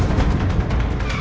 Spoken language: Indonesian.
ibu sri sudah selesai menangkap ibu